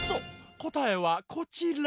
こたえはこちら。